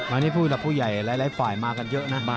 วันนี้ผู้ใหญ่หลายฝ่ายมากันเยอะนะ